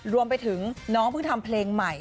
รวมไปถึงน้องเพิ่งทำเพลงใหม่